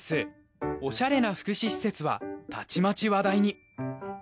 オシャレな福祉施設はたちまち話題に。